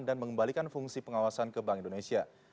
dan mengembalikan fungsi pengawasan ke bank indonesia